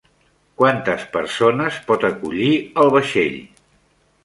Quantes persones pot acollir el vaixell?